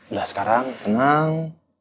udah sekarang tenang